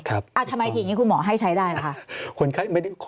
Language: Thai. ทำไมทีนี้คุณหมอให้ใช้ได้ล่ะคะ